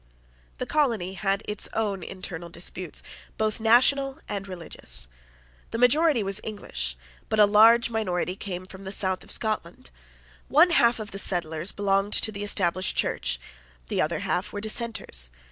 The colony had its own internal disputes, both national and religious. The majority was English; but a large minority came from the south of Scotland. One half of the settlers belonged to the Established Church; the other half were Dissenters.